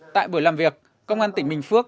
tại buổi làm việc công an tỉnh bình phước